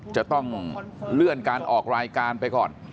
จะต้องเลื่อนการออกรายการไปก่อน